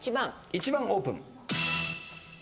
１番オープン。